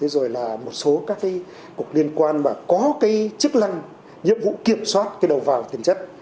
rồi là một số các cái cục liên quan mà có cái chức năng nhiệm vụ kiểm soát cái đầu vào tiền chất